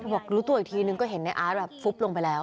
บอกรู้ตัวอีกทีนึงก็เห็นในอาร์ตแบบฟุบลงไปแล้ว